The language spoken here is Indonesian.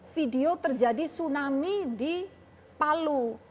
video terjadi tsunami di palu